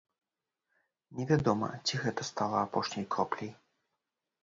Невядома, ці гэта стала апошняй кропляй.